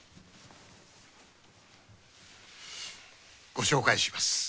ご紹介します